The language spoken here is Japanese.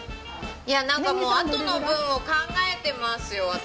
いや何かもうあとの分を考えてますよ